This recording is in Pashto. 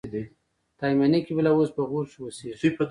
تایمني قبیله اوس په غور کښي اوسېږي.